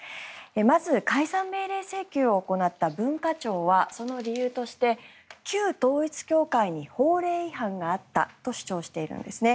まず、解散命令請求を行った文化庁はその理由として旧統一教会に法令違反があったと主張しているんですね。